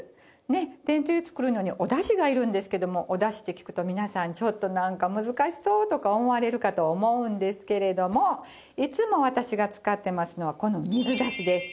天つゆ作るのにおだしが要るんですけどもおだしって聞くと皆さんちょっとなんか難しそうとか思われるかと思うんですけれどもいつも私が使ってますのはこの水だしです。